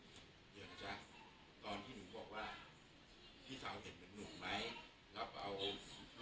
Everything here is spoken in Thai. ตอนที่หนูบอกว่าพี่เจ้าเห็นเป็นหนูไหมแล้วเอารูปที่ถ่ายไว้